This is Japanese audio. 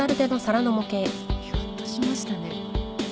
ひょっとしましたね。